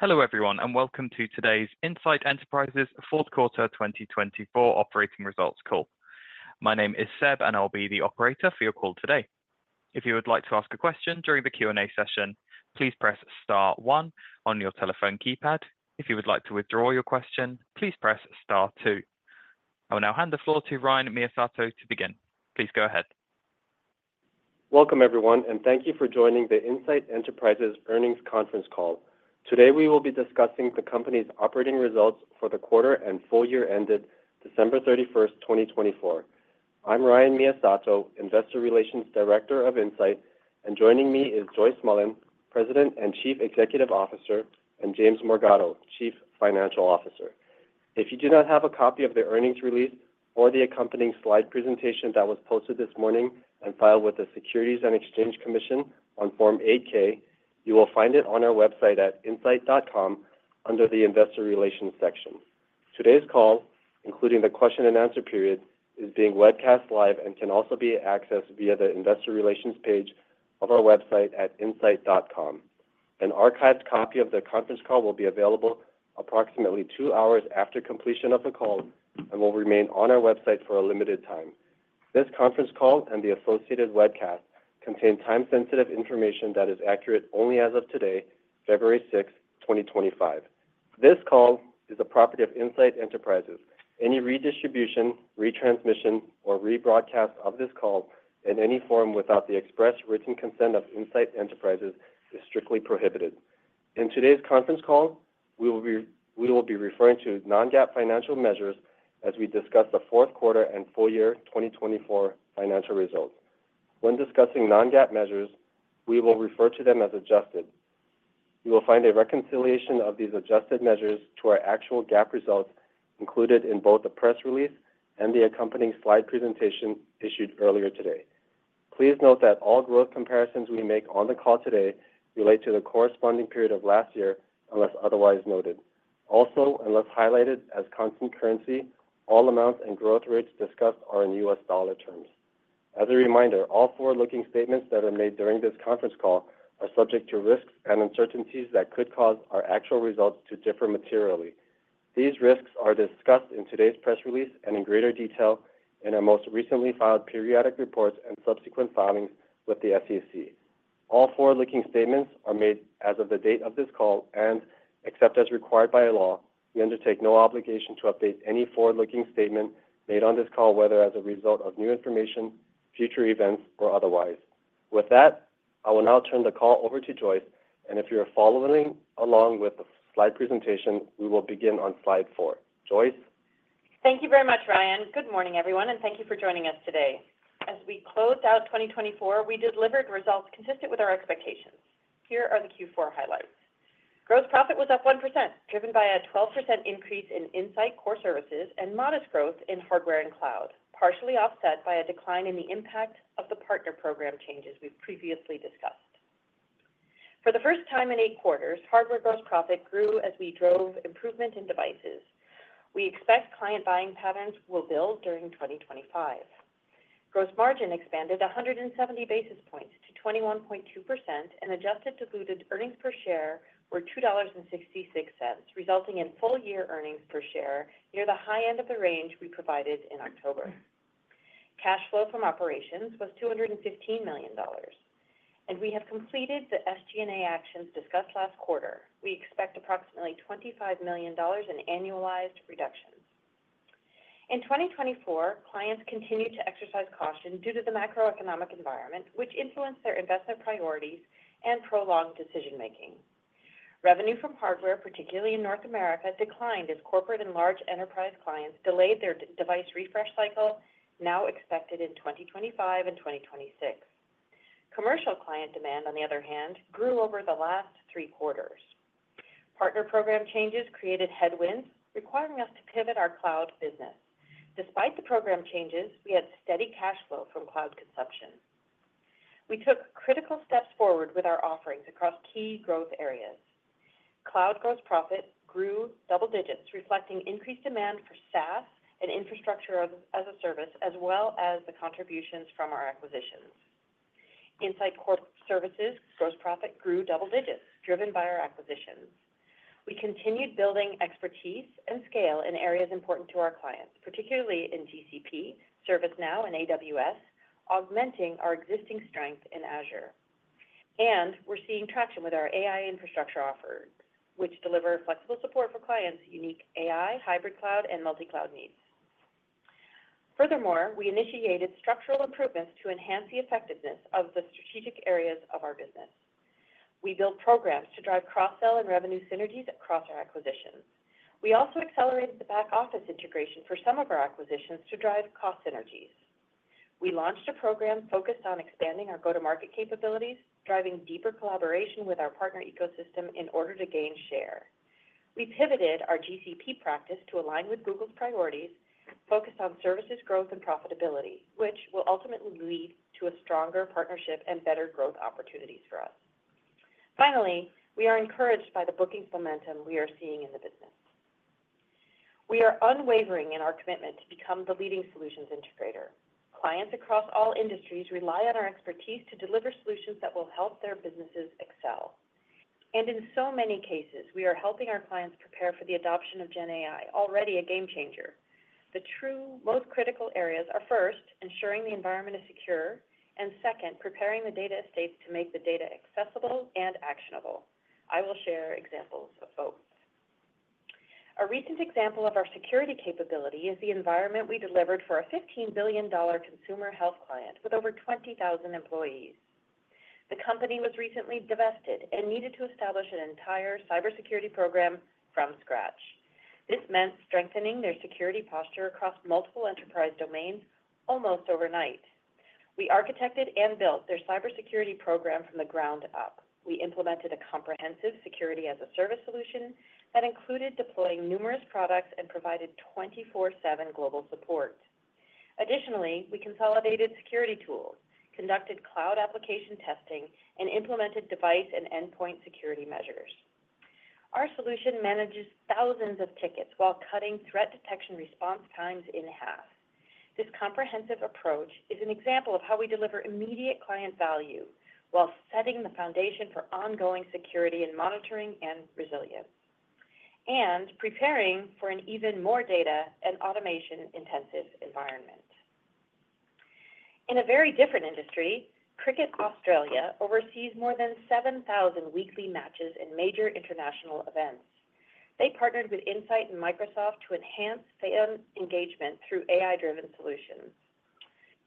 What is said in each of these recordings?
Hello everyone, and welcome to today's Insight Enterprises Fourth Quarter 2024 Operating Results Call. My name is Seb, and I'll be the operator for your call today. If you would like to ask a question during the Q&A session, please press star one on your telephone keypad. If you would like to withdraw your question, please press star two. I will now hand the floor to Ryan Miyasato to begin. Please go ahead. Welcome everyone, and thank you for joining the Insight Enterprises Earnings Conference Call. Today we will be discussing the company's operating results for the quarter and full year ended December 31st, 2024. I'm Ryan Miyasato, Investor Relations Director of Insight, and joining me is Joyce Mullen, President and Chief Executive Officer, and James Morgado, Chief Financial Officer. If you do not have a copy of the earnings release or the accompanying slide presentation that was posted this morning and filed with the Securities and Exchange Commission on Form 8-K, you will find it on our website at insight.com under the Investor Relations section. Today's call, including the question-and-answer period, is being webcast live and can also be accessed via the Investor Relations page of our website at insight.com. An archived copy of the conference call will be available approximately two hours after completion of the call and will remain on our website for a limited time. This conference call and the associated webcast contain time-sensitive information that is accurate only as of today, February 6th, 2025. This call is the property of Insight Enterprises. Any redistribution, retransmission, or rebroadcast of this call in any form without the express written consent of Insight Enterprises is strictly prohibited. In today's conference call, we will be referring to non-GAAP financial measures as we discuss the fourth quarter and full year 2024 financial results. When discussing non-GAAP measures, we will refer to them as adjusted. You will find a reconciliation of these adjusted measures to our actual GAAP results included in both the press release and the accompanying slide presentation issued earlier today. Please note that all growth comparisons we make on the call today relate to the corresponding period of last year unless otherwise noted. Also, unless highlighted as constant currency, all amounts and growth rates discussed are in U.S. dollar terms. As a reminder, all forward-looking statements that are made during this conference call are subject to risks and uncertainties that could cause our actual results to differ materially. These risks are discussed in today's press release and in greater detail in our most recently filed periodic reports and subsequent filings with the SEC. All forward-looking statements are made as of the date of this call and, except as required by law, we undertake no obligation to update any forward-looking statement made on this call whether as a result of new information, future events, or otherwise. With that, I will now turn the call over to Joyce, and if you're following along with the slide presentation, we will begin on slide four. Joyce. Thank you very much, Ryan. Good morning, everyone, and thank you for joining us today. As we closed out 2024, we delivered results consistent with our expectations. Here are the Q4 highlights. Gross profit was up 1%, driven by a 12% increase in Insight Core Services and modest growth in hardware and cloud, partially offset by a decline in the impact of the partner program changes we've previously discussed. For the first time in eight quarters, hardware gross profit grew as we drove improvement in devices. We expect client buying patterns will build during 2025. Gross margin expanded 170 basis points to 21.2% and adjusted diluted earnings per share were $2.66, resulting in full year earnings per share near the high end of the range we provided in October. Cash flow from operations was $215 million, and we have completed the SG&A actions discussed last quarter. We expect approximately $25 million in annualized reductions. In 2024, clients continued to exercise caution due to the macroeconomic environment, which influenced their investment priorities and prolonged decision-making. Revenue from hardware, particularly in North America, declined as corporate and large enterprise clients delayed their device refresh cycle, now expected in 2025 and 2026. Commercial client demand, on the other hand, grew over the last three quarters. Partner program changes created headwinds, requiring us to pivot our cloud business. Despite the program changes, we had steady cash flow from cloud consumption. We took critical steps forward with our offerings across key growth areas. Cloud gross profit grew double digits, reflecting increased demand for SaaS and Infrastructure as a Service, as well as the contributions from our acquisitions. Insight Core Services gross profit grew double digits, driven by our acquisitions. We continued building expertise and scale in areas important to our clients, particularly in GCP, ServiceNow, and AWS, augmenting our existing strength in Azure, and we're seeing traction with our AI infrastructure offerings, which deliver flexible support for clients' unique AI, hybrid cloud, and multi-cloud needs. Furthermore, we initiated structural improvements to enhance the effectiveness of the strategic areas of our business. We built programs to drive cross-sell and revenue synergies across our acquisitions. We also accelerated the back-office integration for some of our acquisitions to drive cost synergies. We launched a program focused on expanding our go-to-market capabilities, driving deeper collaboration with our partner ecosystem in order to gain share. We pivoted our GCP practice to align with Google's priorities, focused on services growth and profitability, which will ultimately lead to a stronger partnership and better growth opportunities for us. Finally, we are encouraged by the bookings momentum we are seeing in the business. We are unwavering in our commitment to become the leading solutions integrator. Clients across all industries rely on our expertise to deliver solutions that will help their businesses excel, and in so many cases, we are helping our clients prepare for the adoption of GenAI, already a game changer. The true most critical areas are first, ensuring the environment is secure, and second, preparing the data estates to make the data accessible and actionable. I will share examples of both. A recent example of our security capability is the environment we delivered for a $15 billion consumer health client with over 20,000 employees. The company was recently divested and needed to establish an entire cybersecurity program from scratch. This meant strengthening their security posture across multiple enterprise domains almost overnight. We architected and built their cybersecurity program from the ground up. We implemented a comprehensive Security as a Service solution that included deploying numerous products and provided 24/7 global support. Additionally, we consolidated security tools, conducted cloud application testing, and implemented device and endpoint security measures. Our solution manages thousands of tickets while cutting threat detection response times in half. This comprehensive approach is an example of how we deliver immediate client value while setting the foundation for ongoing security and monitoring and resilience, and preparing for an even more data and automation-intensive environment. In a very different industry, Cricket Australia oversees more than 7,000 weekly matches in major international events. They partnered with Insight and Microsoft to enhance fan engagement through AI-driven solutions.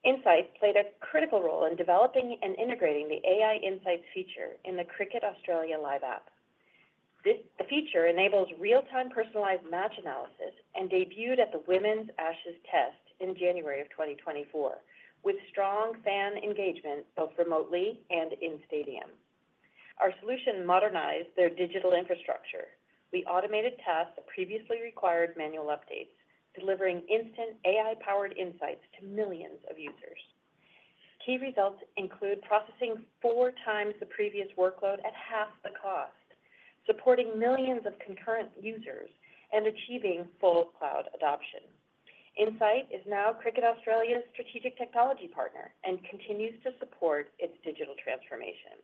Insight played a critical role in developing and integrating the AI Insights feature in the Cricket Australia Live app. The feature enables real-time personalized match analysis and debuted at the Women's Ashes Test in January of 2024, with strong fan engagement both remotely and in stadium. Our solution modernized their digital infrastructure. We automated tasks that previously required manual updates, delivering instant AI-powered insights to millions of users. Key results include processing 4x the previous workload at half the cost, supporting millions of concurrent users, and achieving full cloud adoption. Insight is now Cricket Australia's strategic technology partner and continues to support its digital transformation.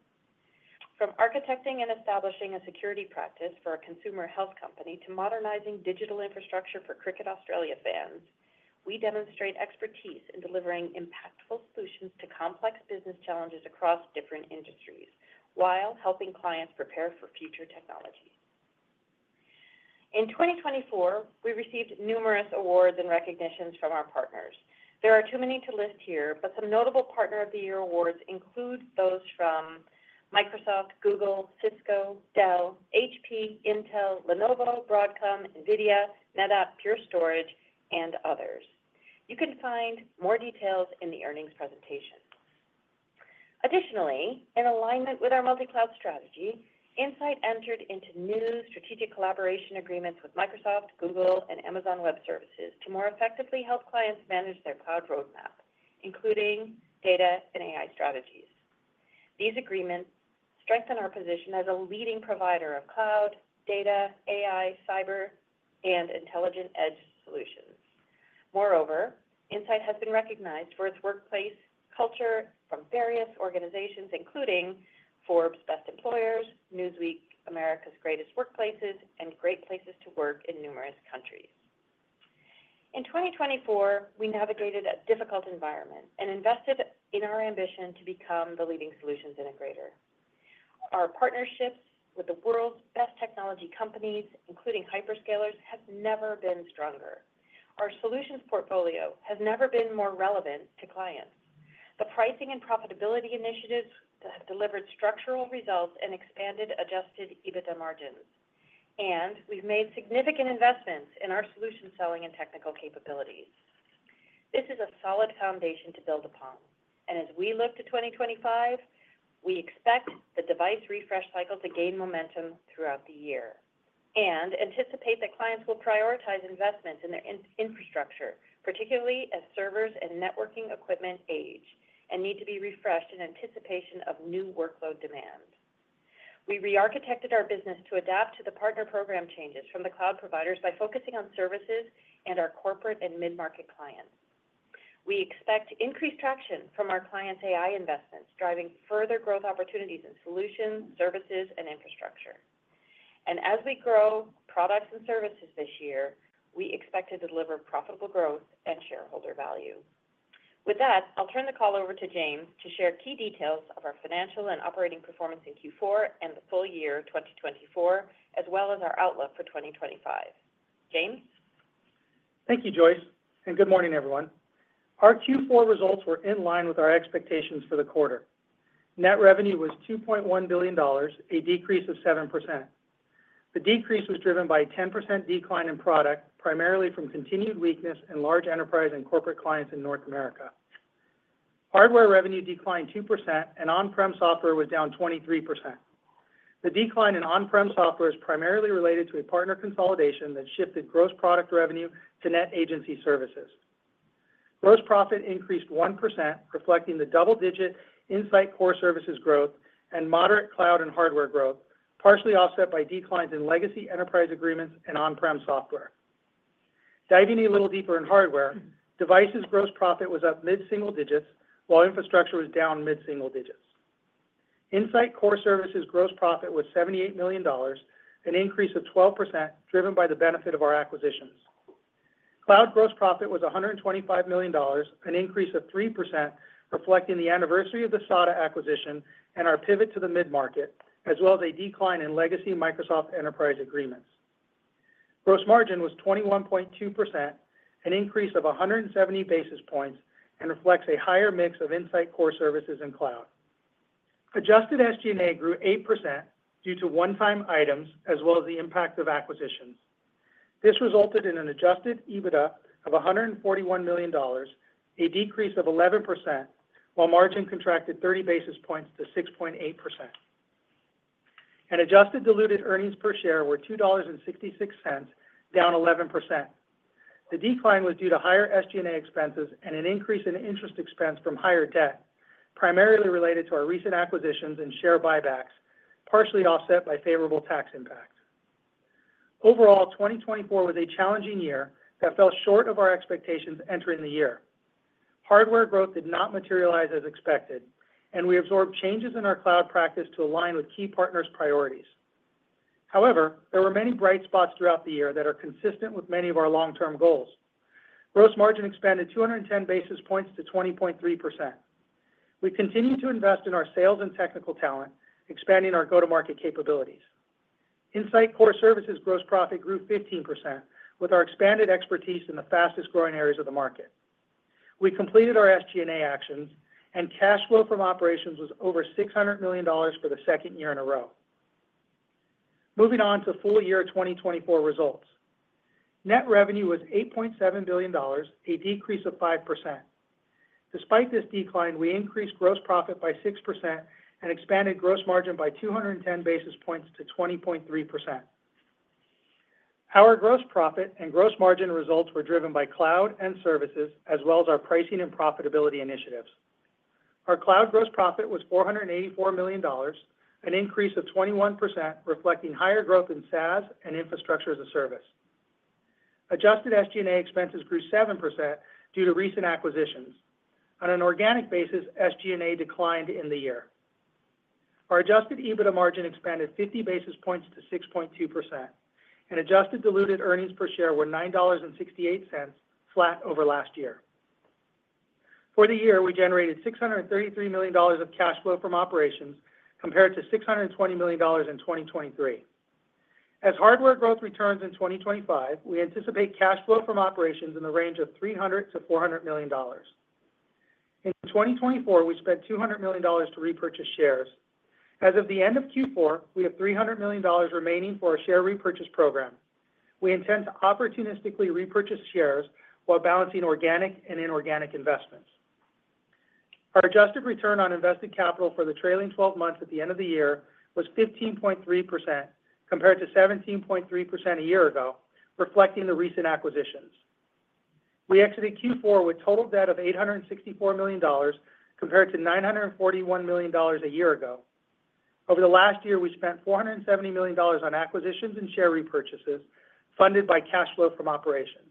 From architecting and establishing a security practice for a consumer health company to modernizing digital infrastructure for Cricket Australia fans, we demonstrate expertise in delivering impactful solutions to complex business challenges across different industries while helping clients prepare for future technologies. In 2024, we received numerous awards and recognitions from our partners. There are too many to list here, but some notable Partner of the Year awards include those from Microsoft, Google, Cisco, Dell, HP, Intel, Lenovo, Broadcom, NVIDIA, NetApp, Pure Storage, and others. You can find more details in the earnings presentation. Additionally, in alignment with our multi-cloud strategy, Insight entered into new strategic collaboration agreements with Microsoft, Google, and Amazon Web Services to more effectively help clients manage their cloud roadmap, including data and AI strategies. These agreements strengthen our position as a leading provider of cloud, data, AI, cyber, and intelligent edge solutions. Moreover, Insight has been recognized for its workplace culture from various organizations, including Forbes Best Employers, Newsweek, America's Greatest Workplaces, and Great Places to Work in numerous countries. In 2024, we navigated a difficult environment and invested in our ambition to become the leading solutions integrator. Our partnerships with the world's best technology companies, including hyperscalers, have never been stronger. Our solutions portfolio has never been more relevant to clients. The pricing and profitability initiatives have delivered structural results and expanded adjusted EBITDA margins, and we've made significant investments in our solution selling and technical capabilities. This is a solid foundation to build upon, and as we look to 2025, we expect the device refresh cycle to gain momentum throughout the year and anticipate that clients will prioritize investments in their infrastructure, particularly as servers and networking equipment age and need to be refreshed in anticipation of new workload demand. We re-architected our business to adapt to the partner program changes from the cloud providers by focusing on services and our corporate and mid-market clients. We expect increased traction from our clients' AI investments, driving further growth opportunities in solutions, services, and infrastructure. As we grow products and services this year, we expect to deliver profitable growth and shareholder value. With that, I'll turn the call over to James to share key details of our financial and operating performance in Q4 and the full year 2024, as well as our outlook for 2025. James. Thank you, Joyce, and good morning, everyone. Our Q4 results were in line with our expectations for the quarter. Net revenue was $2.1 billion, a decrease of 7%. The decrease was driven by a 10% decline in product, primarily from continued weakness in large enterprise and corporate clients in North America. Hardware revenue declined 2%, and on-prem software was down 23%. The decline in on-prem software is primarily related to a partner consolidation that shifted gross product revenue to net agency services. Gross profit increased 1%, reflecting the double-digit Insight Core Services growth and moderate cloud and hardware growth, partially offset by declines in legacy Enterprise Agreements and on-prem software. Diving a little deeper in hardware, devices gross profit was up mid-single digits, while infrastructure was down mid-single digits. Insight Core Services gross profit was $78 million, an increase of 12%, driven by the benefit of our acquisitions. Cloud gross profit was $125 million, an increase of 3%, reflecting the anniversary of the SADA acquisition and our pivot to the mid-market, as well as a decline in legacy Microsoft Enterprise Agreements. Gross margin was 21.2%, an increase of 170 basis points, and reflects a higher mix of Insight Core Services and cloud. Adjusted SG&A grew 8% due to one-time items, as well as the impact of acquisitions. This resulted in an adjusted EBITDA of $141 million, a decrease of 11%, while margin contracted 30 basis points to 6.8%. And adjusted diluted earnings per share were $2.66, down 11%. The decline was due to higher SG&A expenses and an increase in interest expense from higher debt, primarily related to our recent acquisitions and share buybacks, partially offset by favorable tax impacts. Overall, 2024 was a challenging year that fell short of our expectations entering the year. Hardware growth did not materialize as expected, and we absorbed changes in our cloud practice to align with key partners' priorities. However, there were many bright spots throughout the year that are consistent with many of our long-term goals. Gross margin expanded 210 basis points to 20.3%. We continue to invest in our sales and technical talent, expanding our go-to-market capabilities. Insight Core Services gross profit grew 15% with our expanded expertise in the fastest-growing areas of the market. We completed our SG&A actions, and cash flow from operations was over $600 million for the second year in a row. Moving on to full year 2024 results. Net revenue was $8.7 billion, a decrease of 5%. Despite this decline, we increased gross profit by 6% and expanded gross margin by 210 basis points to 20.3%. Our gross profit and gross margin results were driven by cloud and services, as well as our pricing and profitability initiatives. Our cloud gross profit was $484 million, an increase of 21%, reflecting higher growth in SaaS and Infrastructure as a Service. Adjusted SG&A expenses grew 7% due to recent acquisitions. On an organic basis, SG&A declined in the year. Our adjusted EBITDA margin expanded 50 basis points to 6.2%, and adjusted diluted earnings per share were $9.68, flat over last year. For the year, we generated $633 million of cash flow from operations compared to $620 million in 2023. As hardware growth returns in 2025, we anticipate cash flow from operations in the range of $300 million-$400 million. In 2024, we spent $200 million to repurchase shares. As of the end of Q4, we have $300 million remaining for our share repurchase program. We intend to opportunistically repurchase shares while balancing organic and inorganic investments. Our adjusted return on invested capital for the trailing 12 months at the end of the year was 15.3%, compared to 17.3% a year ago, reflecting the recent acquisitions. We exited Q4 with total debt of $864 million compared to $941 million a year ago. Over the last year, we spent $470 million on acquisitions and share repurchases funded by cash flow from operations.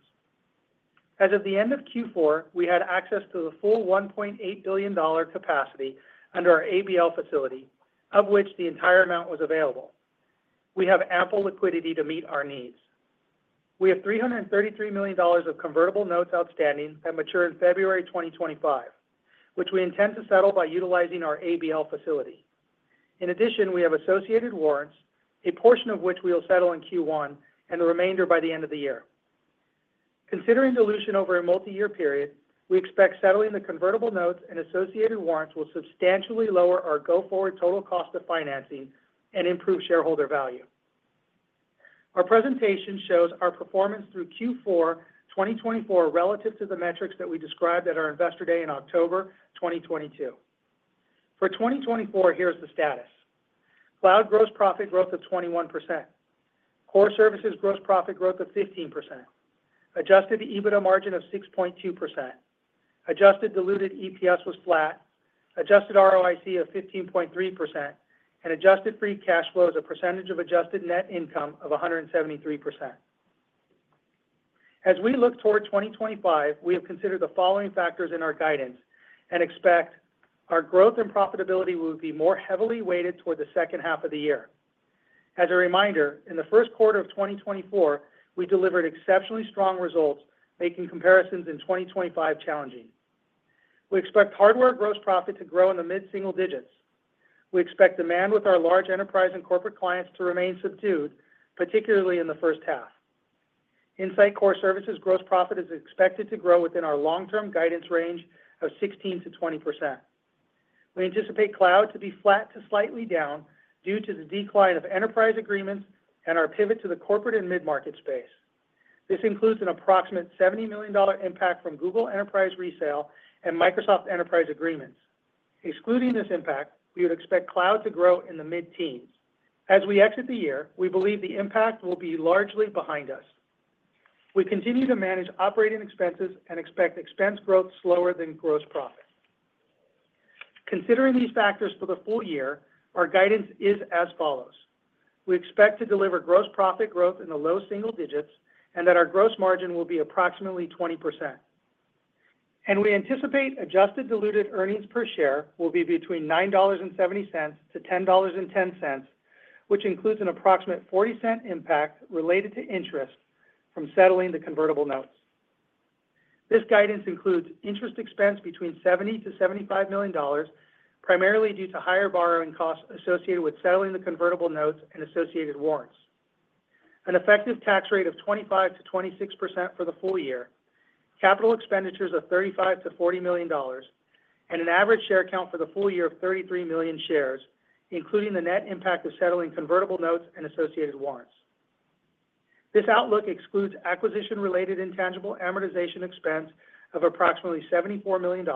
As of the end of Q4, we had access to the full $1.8 billion capacity under our ABL facility, of which the entire amount was available. We have ample liquidity to meet our needs. We have $333 million of convertible notes outstanding that mature in February 2025, which we intend to settle by utilizing our ABL facility. In addition, we have associated warrants, a portion of which we will settle in Q1 and the remainder by the end of the year. Considering dilution over a multi-year period, we expect settling the convertible notes and associated warrants will substantially lower our go forward total cost of financing and improve shareholder value. Our presentation shows our performance through Q4 2024 relative to the metrics that we described at our investor day in October 2022. For 2024, here's the status. Cloud gross profit growth of 21%. Core services gross profit growth of 15%. Adjusted EBITDA margin of 6.2%. Adjusted diluted EPS was flat. Adjusted ROIC of 15.3%, and adjusted free cash flow is a percentage of adjusted net income of 173%. As we look toward 2025, we have considered the following factors in our guidance and expect our growth and profitability will be more heavily weighted toward the second half of the year. As a reminder, in the first quarter of 2024, we delivered exceptionally strong results, making comparisons in 2025 challenging. We expect hardware gross profit to grow in the mid-single digits. We expect demand with our large enterprise and corporate clients to remain subdued, particularly in the first half. Insight Core Services gross profit is expected to grow within our long-term guidance range of 16%-20%. We anticipate cloud to be flat to slightly down due to the decline of Enterprise Agreements and our pivot to the corporate and mid-market space. This includes an approximate $70 million impact from Google enterprise resale and Microsoft Enterprise Agreements. Excluding this impact, we would expect cloud to grow in the mid-teens. As we exit the year, we believe the impact will be largely behind us. We continue to manage operating expenses and expect expense growth slower than gross profit. Considering these factors for the full year, our guidance is as follows. We expect to deliver gross profit growth in the low single digits and that our gross margin will be approximately 20%, and we anticipate adjusted diluted earnings per share will be between $9.70-$10.10, which includes an approximate $0.40 impact related to interest from settling the convertible notes. This guidance includes interest expense between $70 million-$75 million, primarily due to higher borrowing costs associated with settling the convertible notes and associated warrants. An effective tax rate of 25%-26% for the full year, capital expenditures of $35 million-$40 million, and an average share count for the full year of 33 million shares, including the net impact of settling convertible notes and associated warrants. This outlook excludes acquisition-related intangible amortization expense of approximately $74 million,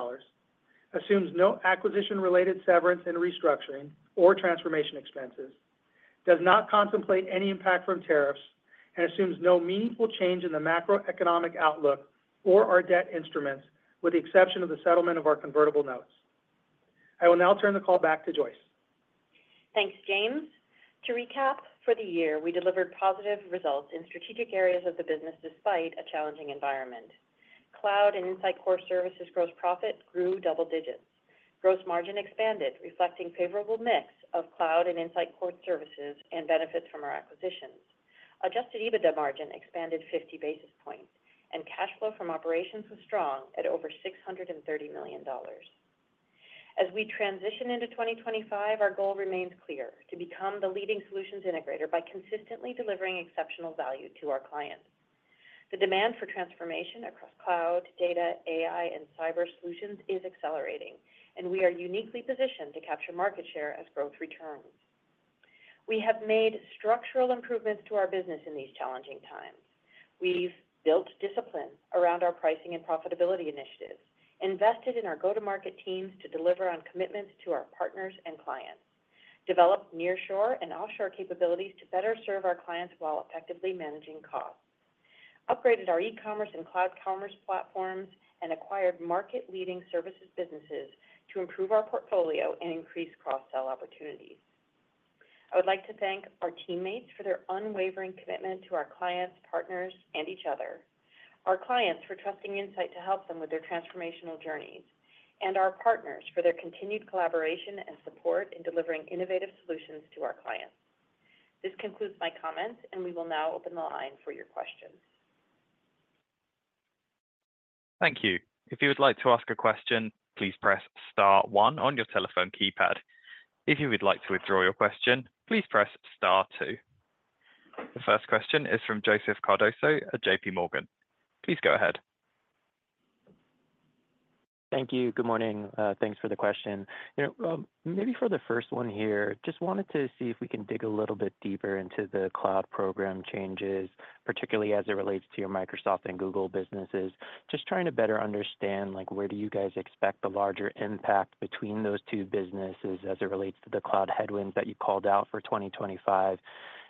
assumes no acquisition-related severance and restructuring or transformation expenses, does not contemplate any impact from tariffs, and assumes no meaningful change in the macroeconomic outlook or our debt instruments, with the exception of the settlement of our convertible notes. I will now turn the call back to Joyce. Thanks, James. To recap, for the year, we delivered positive results in strategic areas of the business despite a challenging environment. Cloud and Insight Core Services gross profit grew double digits. Gross margin expanded, reflecting a favorable mix of cloud and Insight Core Services and benefits from our acquisitions. Adjusted EBITDA margin expanded 50 basis points, and cash flow from operations was strong at over $630 million. As we transition into 2025, our goal remains clear: to become the leading solutions integrator by consistently delivering exceptional value to our clients. The demand for transformation across cloud, data, AI, and cyber solutions is accelerating, and we are uniquely positioned to capture market share as growth returns. We have made structural improvements to our business in these challenging times. We've built discipline around our pricing and profitability initiatives, invested in our go-to-market teams to deliver on commitments to our partners and clients, developed nearshore and offshore capabilities to better serve our clients while effectively managing costs, upgraded our e-commerce and cloud commerce platforms, and acquired market-leading services businesses to improve our portfolio and increase cross-sell opportunities. I would like to thank our teammates for their unwavering commitment to our clients, partners, and each other, our clients for trusting Insight to help them with their transformational journeys, and our partners for their continued collaboration and support in delivering innovative solutions to our clients. This concludes my comments, and we will now open the line for your questions. Thank you. If you would like to ask a question, please press star one on your telephone keypad. If you would like to withdraw your question, please press star two. The first question is from Joseph Cardoso at JPMorgan. Please go ahead. Thank you. Good morning. Thanks for the question. Maybe for the first one here, just wanted to see if we can dig a little bit deeper into the cloud program changes, particularly as it relates to your Microsoft and Google businesses. Just trying to better understand where do you guys expect the larger impact between those two businesses as it relates to the cloud headwinds that you called out for 2025.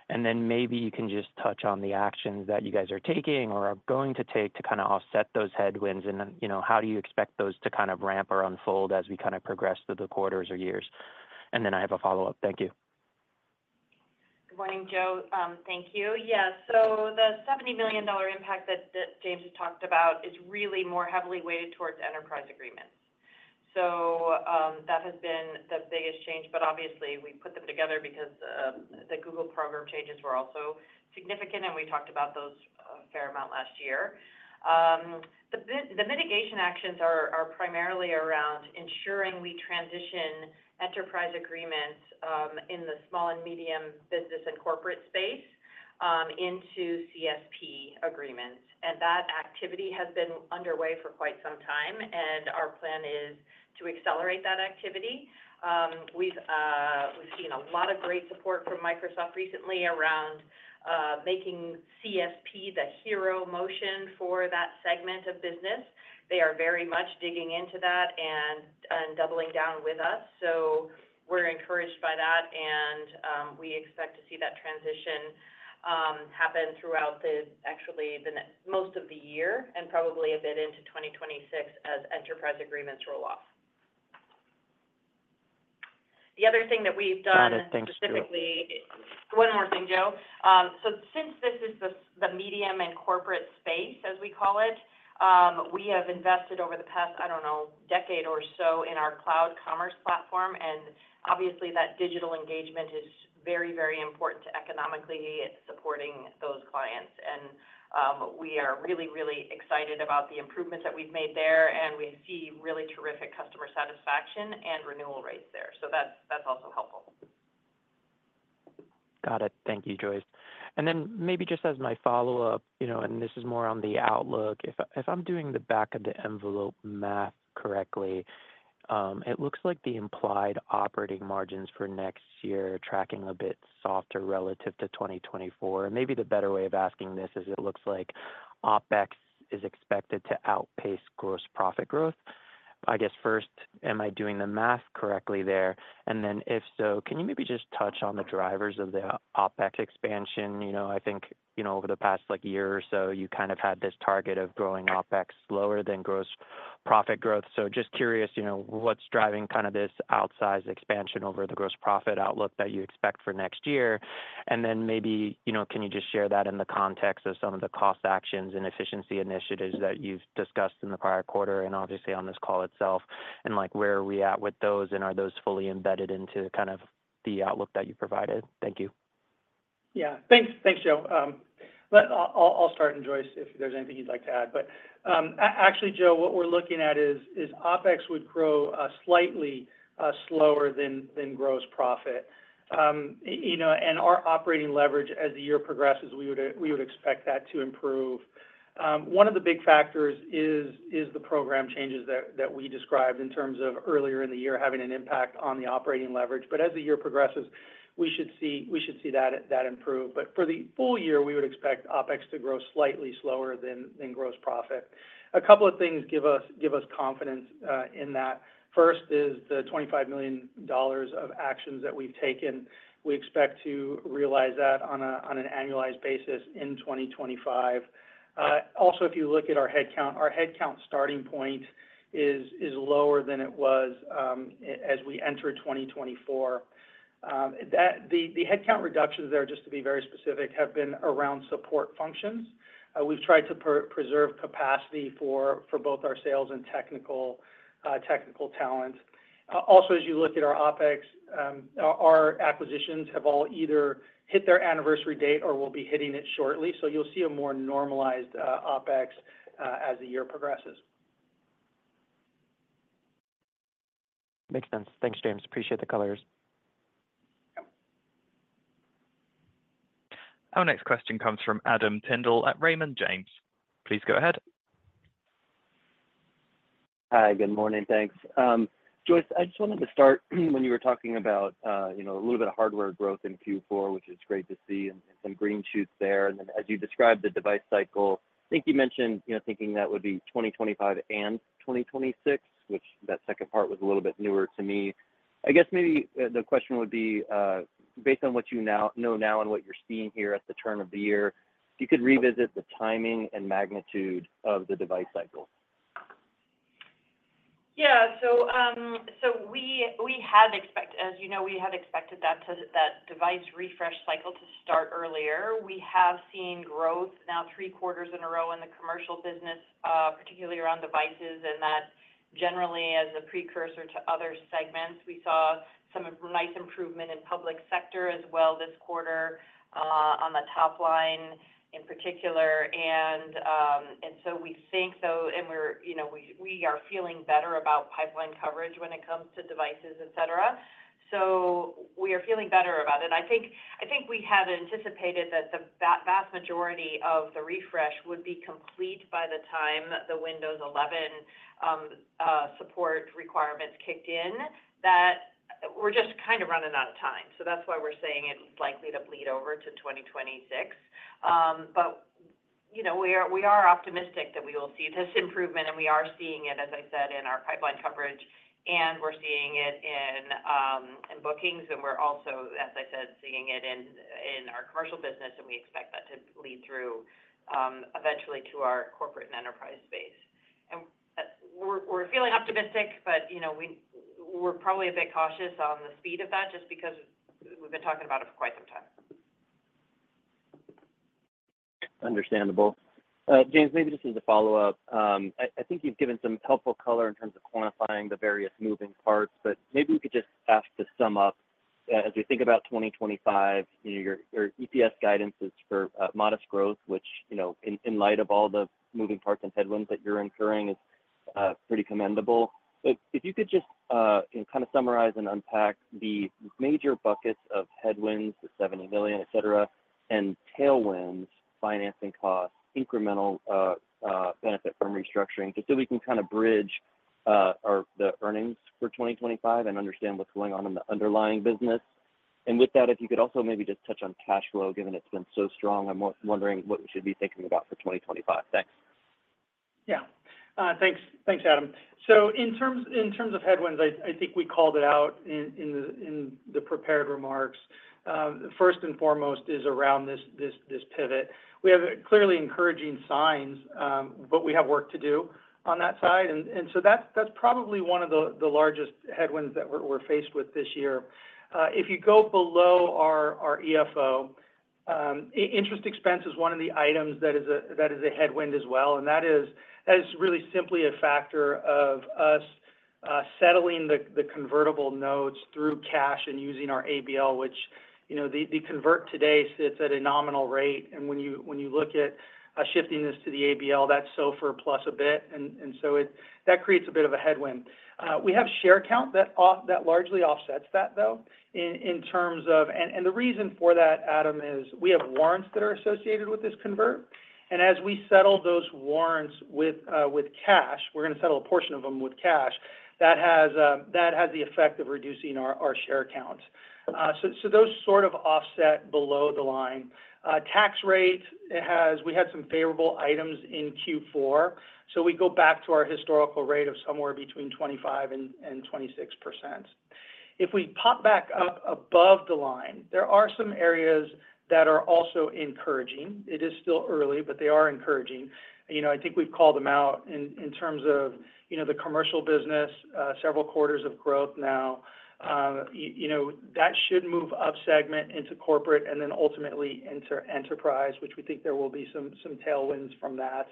And then maybe you can just touch on the actions that you guys are taking or are going to take to kind of offset those headwinds, and how do you expect those to kind of ramp or unfold as we kind of progress through the quarters or years. And then I have a follow-up. Thank you. Good morning, Joe. Thank you. Yeah, so the $70 million impact that James has talked about is really more heavily weighted towards Enterprise Agreements. So that has been the biggest change, but obviously, we put them together because the Google program changes were also significant, and we talked about those a fair amount last year. The mitigation actions are primarily around ensuring we transition Enterprise Agreements in the small and medium business and corporate space into CSP agreements. And that activity has been underway for quite some time, and our plan is to accelerate that activity. We've seen a lot of great support from Microsoft recently around making CSP the hero motion for that segment of business. They are very much digging into that and doubling down with us. So we're encouraged by that, and we expect to see that transition happen throughout actually most of the year and probably a bit into 2026 as enterprise agreements roll off. The other thing that we've done. Got it. Thank you, Joyce. Specifically, one more thing, Joe. So since this is the medium and corporate space, as we call it, we have invested over the past, I don't know, decade or so in our cloud commerce platform. And obviously, that digital engagement is very, very important to economically supporting those clients. And we are really, really excited about the improvements that we've made there, and we see really terrific customer satisfaction and renewal rates there. So that's also helpful. Got it. Thank you, Joyce. And then maybe just as my follow-up, and this is more on the outlook. If I'm doing the back-of-the-envelope math correctly, it looks like the implied operating margins for next year are tracking a bit softer relative to 2024. And maybe the better way of asking this is it looks like OpEx is expected to outpace gross profit growth. I guess first, am I doing the math correctly there? And then if so, can you maybe just touch on the drivers of the OpEx expansion? I think over the past year or so, you kind of had this target of growing OpEx slower than gross profit growth. So just curious, what's driving kind of this outsized expansion over the gross profit outlook that you expect for next year? And then maybe can you just share that in the context of some of the cost actions and efficiency initiatives that you've discussed in the prior quarter and obviously on this call itself? And where are we at with those, and are those fully embedded into kind of the outlook that you provided? Thank you. Yeah. Thanks, Joe. I'll start, and Joyce, if there's anything you'd like to add. But actually, Joe, what we're looking at is OpEx would grow slightly slower than gross profit, and our operating leverage, as the year progresses, we would expect that to improve. One of the big factors is the program changes that we described in terms of earlier in the year having an impact on the operating leverage, but as the year progresses, we should see that improve. For the full year, we would expect OpEx to grow slightly slower than gross profit. A couple of things give us confidence in that. First is the $25 million of actions that we've taken. We expect to realize that on an annualized basis in 2025. Also, if you look at our headcount, our headcount starting point is lower than it was as we enter 2024. The headcount reductions there, just to be very specific, have been around support functions. We've tried to preserve capacity for both our sales and technical talent. Also, as you look at our OpEx, our acquisitions have all either hit their anniversary date or will be hitting it shortly. So you'll see a more normalized OpEx as the year progresses. Makes sense. Thanks, James. Appreciate the colors. Our next question comes from Adam Tindle at Raymond James. Please go ahead. Hi. Good morning. Thanks. Joyce, I just wanted to start when you were talking about a little bit of hardware growth in Q4, which is great to see, and some green shoots there. And then as you described the device cycle, I think you mentioned thinking that would be 2025 and 2026, which that second part was a little bit newer to me. I guess maybe the question would be, based on what you know now and what you're seeing here at the turn of the year, if you could revisit the timing and magnitude of the device cycle. Yeah. So we have, as you know, we have expected that device refresh cycle to start earlier. We have seen growth now three quarters in a row in the commercial business, particularly around devices, and that generally as a precursor to other segments. We saw some nice improvement in public sector as well this quarter on the top line in particular, and so we think, though, and we are feeling better about pipeline coverage when it comes to devices, etc. So we are feeling better about it. I think we had anticipated that the vast majority of the refresh would be complete by the time the Windows 11 support requirements kicked in, that we're just kind of running out of time, so that's why we're saying it's likely to bleed over to 2026. But we are optimistic that we will see this improvement, and we are seeing it, as I said, in our pipeline coverage, and we're seeing it in bookings, and we're also, as I said, seeing it in our commercial business, and we expect that to lead through eventually to our corporate and enterprise space. And we're feeling optimistic, but we're probably a bit cautious on the speed of that just because we've been talking about it for quite some time. Understandable. James, maybe just as a follow-up, I think you've given some helpful color in terms of quantifying the various moving parts, but maybe we could just ask to sum up. As we think about 2025, your EPS guidance is for modest growth, which in light of all the moving parts and headwinds that you're incurring is pretty commendable. But if you could just kind of summarize and unpack the major buckets of headwinds, the $70 million, etc., and tailwinds, financing costs, incremental benefit from restructuring, just so we can kind of bridge the earnings for 2025 and understand what's going on in the underlying business. And with that, if you could also maybe just touch on cash flow, given it's been so strong. I'm wondering what we should be thinking about for 2025. Thanks. Yeah. Thanks, Adam. So in terms of headwinds, I think we called it out in the prepared remarks. First and foremost is around this pivot. We have clearly encouraging signs, but we have work to do on that side. And so that's probably one of the largest headwinds that we're faced with this year. If you go below our EFO, interest expense is one of the items that is a headwind as well. And that is really simply a factor of us settling the convertible notes through cash and using our ABL, which the convert today sits at a nominal rate. And when you look at shifting this to the ABL, that's SOFR plus a bit. And so that creates a bit of a headwind. We have share count that largely offsets that, though, in terms of—and the reason for that, Adam, is we have warrants that are associated with this convert. And as we settle those warrants with cash, we're going to settle a portion of them with cash. That has the effect of reducing our share counts. So those sort of offset below the line. Tax rate, we had some favorable items in Q4. So we go back to our historical rate of somewhere between 25%-26%. If we pop back up above the line, there are some areas that are also encouraging. It is still early, but they are encouraging. I think we've called them out in terms of the commercial business, several quarters of growth now. That should move up segment into corporate and then ultimately into enterprise, which we think there will be some tailwinds from that.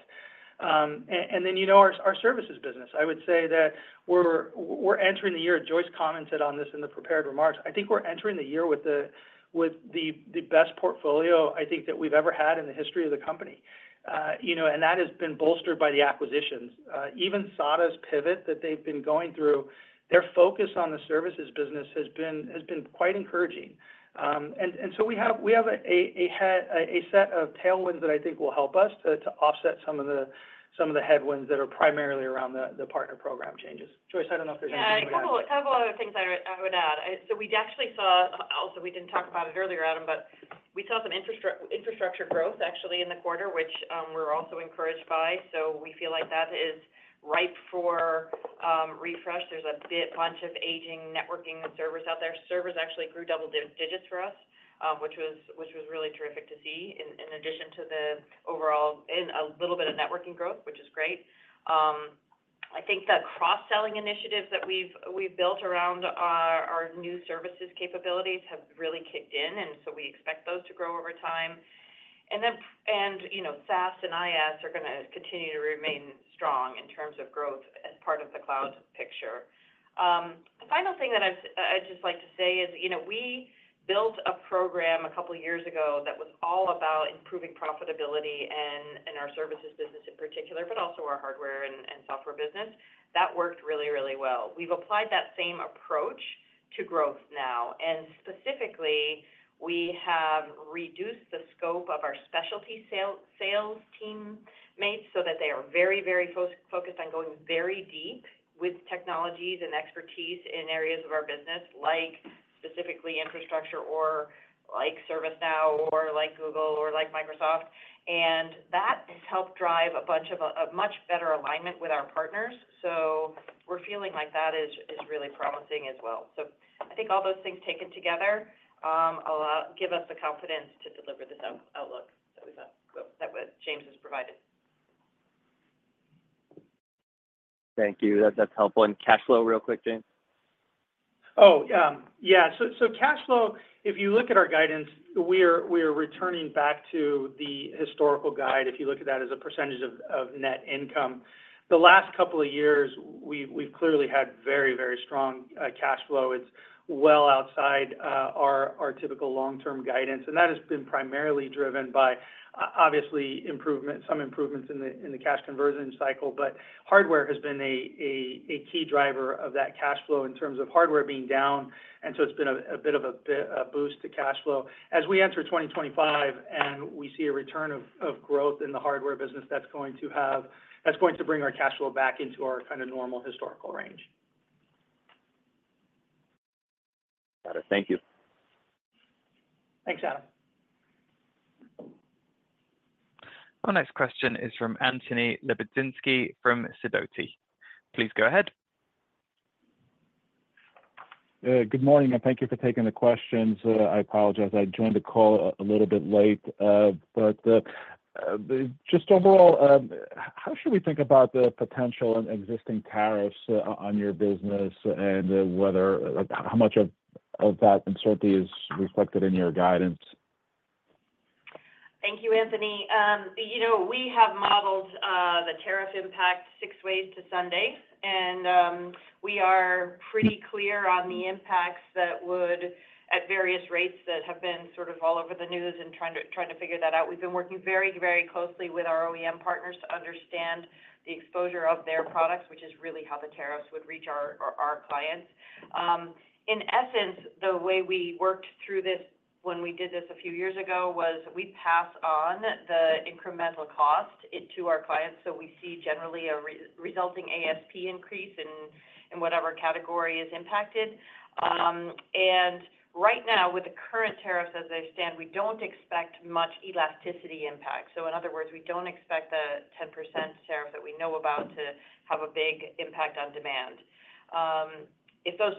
And then our services business, I would say that we're entering the year, Joyce commented on this in the prepared remarks, I think we're entering the year with the best portfolio I think that we've ever had in the history of the company. And that has been bolstered by the acquisitions. Even SADA's pivot that they've been going through, their focus on the services business has been quite encouraging. And so we have a set of tailwinds that I think will help us to offset some of the headwinds that are primarily around the partner program changes. Joyce, I don't know if there's anything we'd add to that. Yeah. A couple of other things I would add. So we actually saw. Also, we didn't talk about it earlier, Adam. But we saw some infrastructure growth actually in the quarter, which we're also encouraged by. So we feel like that is ripe for refresh. There's a bunch of aging networking and servers out there. Servers actually grew double digits for us, which was really terrific to see in addition to the overall and a little bit of networking growth, which is great. I think the cross-selling initiatives that we've built around our new services capabilities have really kicked in, and so we expect those to grow over time. And SaaS and IaaS are going to continue to remain strong in terms of growth as part of the cloud picture. The final thing that I'd just like to say is we built a program a couple of years ago that was all about improving profitability in our services business in particular, but also our hardware and software business. That worked really, really well. We've applied that same approach to growth now and specifically, we have reduced the scope of our specialty sales teammates so that they are very, very focused on going very deep with technologies and expertise in areas of our business, like specifically infrastructure or like ServiceNow or like Google or like Microsoft, and that has helped drive a bunch of much better alignment with our partners, so we're feeling like that is really promising as well, so I think all those things taken together give us the confidence to deliver this outlook that James has provided. Thank you. That's helpful. And cash flow, real quick, James? Oh, yeah. So cash flow, if you look at our guidance, we are returning back to the historical guide. If you look at that as a percentage of net income, the last couple of years, we've clearly had very, very strong cash flow. It's well outside our typical long-term guidance. And that has been primarily driven by, obviously, some improvements in the cash conversion cycle. But hardware has been a key driver of that cash flow in terms of hardware being down. And so it's been a bit of a boost to cash flow. As we enter 2025 and we see a return of growth in the hardware business, that's going to bring our cash flow back into our kind of normal historical range. Got it. Thank you. Thanks, Adam. Our next question is from Anthony Lebiedzinski from Sidoti. Please go ahead. Good morning, and thank you for taking the questions. I apologize. I joined the call a little bit late. But just overall, how should we think about the potential and existing tariffs on your business and how much of that uncertainty is reflected in your guidance? Thank you, Anthony. We have modeled the tariff impact six ways to Sunday, and we are pretty clear on the impacts that would, at various rates that have been sort of all over the news and trying to figure that out. We've been working very, very closely with our OEM partners to understand the exposure of their products, which is really how the tariffs would reach our clients. In essence, the way we worked through this when we did this a few years ago was we pass on the incremental cost to our clients, so we see generally a resulting ASP increase in whatever category is impacted, and right now, with the current tariffs as they stand, we don't expect much elasticity impact, so in other words, we don't expect the 10% tariff that we know about to have a big impact on demand. If those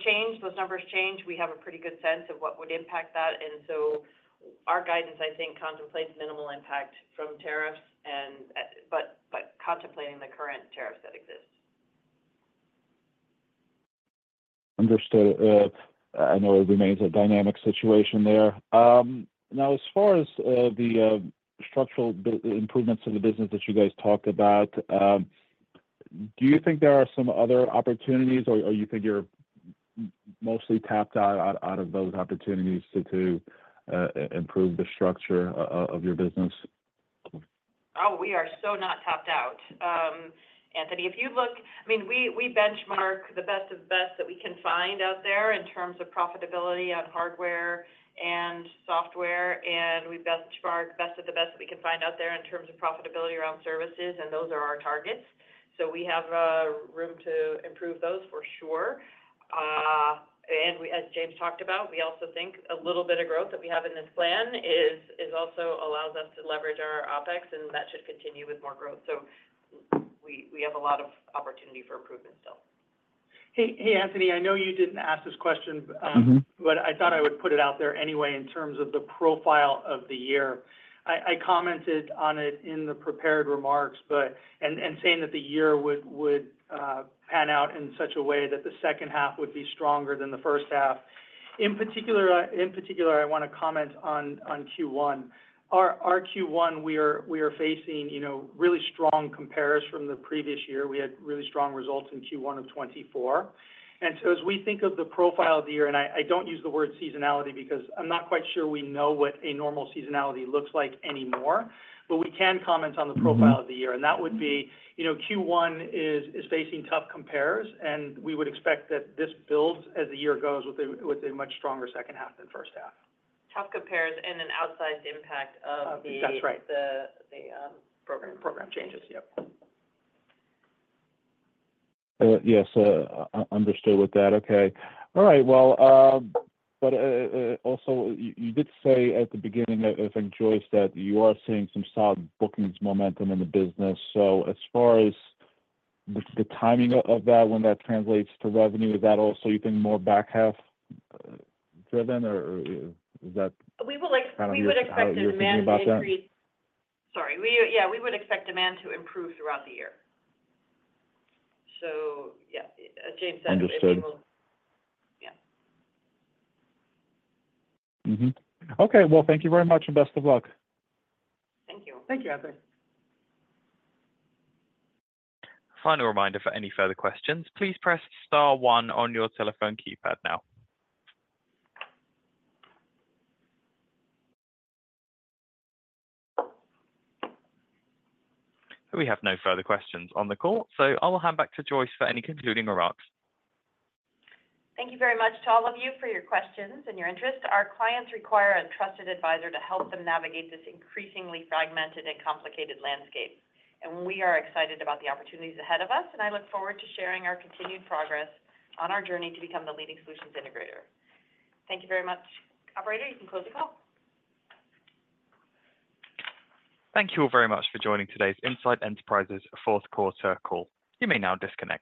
numbers change, we have a pretty good sense of what would impact that. And so our guidance, I think, contemplates minimal impact from tariffs, but contemplating the current tariffs that exist. Understood. I know it remains a dynamic situation there. Now, as far as the structural improvements of the business that you guys talked about, do you think there are some other opportunities, or you think you're mostly tapped out of those opportunities to improve the structure of your business? Oh, we are so not tapped out, Anthony. If you look, I mean, we benchmark the best of the best that we can find out there in terms of profitability on hardware and software. And we benchmark best of the best that we can find out there in terms of profitability around services. And those are our targets. So we have room to improve those for sure. And as James talked about, we also think a little bit of growth that we have in this plan also allows us to leverage our OpEx, and that should continue with more growth. So we have a lot of opportunity for improvement still. Hey, Anthony, I know you didn't ask this question, but I thought I would put it out there anyway in terms of the profile of the year. I commented on it in the prepared remarks and saying that the year would pan out in such a way that the second half would be stronger than the first half. In particular, I want to comment on Q1. Our Q1, we are facing really strong comparisons from the previous year. We had really strong results in Q1 of 2024, and so as we think of the profile of the year, and I don't use the word seasonality because I'm not quite sure we know what a normal seasonality looks like anymore, but we can comment on the profile of the year. That would be Q1 is facing tough comparisons, and we would expect that this builds as the year goes with a much stronger second half than first half. Tough comparisons and an outsized impact of the program changes. Yep. Yes. Understood with that. Okay. All right. Well, but also you did say at the beginning, I think, Joyce, that you are seeing some solid bookings momentum in the business. So as far as the timing of that, when that translates to revenue, is that also you think more back half driven, or is that? We would expect demand to increase. I was just thinking about that. Sorry. Yeah. We would expect demand to improve throughout the year. So yeah, as James said, we'll see a little. Understood. Yeah. Okay, well, thank you very much and best of luck. Thank you. Thank you, Adam. Final reminder, for any further questions, please press star one on your telephone keypad now. We have no further questions on the call. So I'll hand back to Joyce for any concluding remarks. Thank you very much to all of you for your questions and your interest. Our clients require a trusted advisor to help them navigate this increasingly fragmented and complicated landscape. And we are excited about the opportunities ahead of us. And I look forward to sharing our continued progress on our journey to become the leading solutions integrator. Thank you very much. Operator, you can close the call. Thank you all very much for joining today's Insight Enterprises fourth quarter call. You may now disconnect.